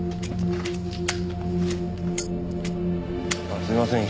あっすいません。